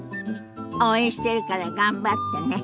応援してるから頑張ってね。